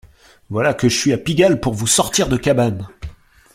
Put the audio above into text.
voilà que je suis à Pigalle pour vous sortir de cabane